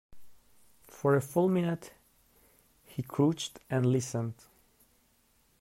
For a full minute he crouched and listened.